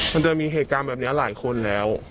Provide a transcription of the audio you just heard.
มันจะมีเหตุการณ์แบบนี้หลายคนแล้ว